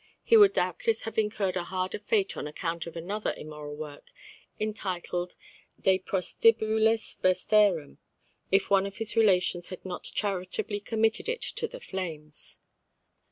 He would doubtless have incurred a harder fate on account of another immoral work, entitled De prostibulis veterum, if one of his relations had not charitably committed it to the flames.